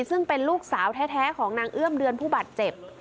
ซึ่งเป็นลูกสาวแท้ของนางเอื้อมเดือนผู้บาดเจ็บ